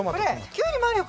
キュウリもあるよ